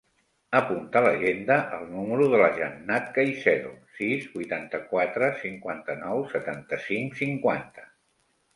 Apunta a l'agenda el número de la Jannat Caicedo: sis, vuitanta-quatre, cinquanta-nou, setanta-cinc, cinquanta.